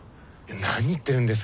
何言ってるんですか。